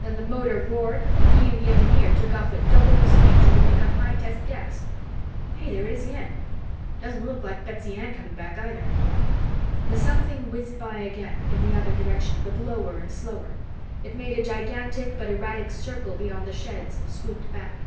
Then the motor roared and he and the engineer, took off at double the speed she could make on high test gas. Hey, there it is again! Doesn't look like the Betsy Ann coming back, either." The something whizzed by again, in the other direction, but lower and slower. It made a gigantic but erratic circle beyond the sheds and swooped back.